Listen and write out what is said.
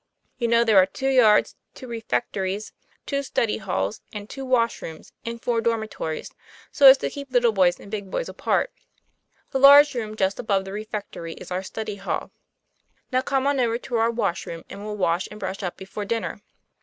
You know there are two yards, two refectories, two study halls, and two wash rooms and four dormitories, so as to keep little boys and big boys apart; the large room TOM PLAYFAIR. 45 just above the refectory is our study hall ; now come on over to our washroom and we'll wash and brush up before dinner."